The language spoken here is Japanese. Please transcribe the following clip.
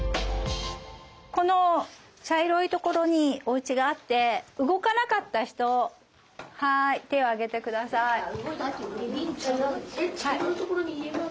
この茶色い所におうちがあって動かなかった人はい手を上げてください。